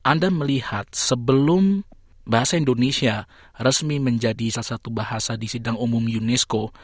anda melihat sebelum bahasa indonesia resmi menjadi salah satu bahasa di sidang umum unesco